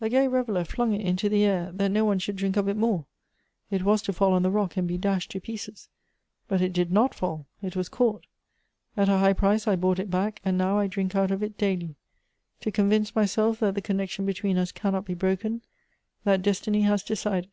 A gay reveller flung it into the air, that no one should diink of it more. It was to fall on the rock and be dashed to pieces ; but it did not fall ; it was caught. At a high price I bought it back, and now I drink out of it daily — to convince myself that the connection between us cannot be broken ; that destiny has decided."